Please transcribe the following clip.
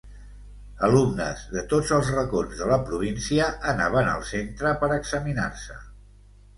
Alumnes de tots els racons de la província anaven al centre per examinar-se.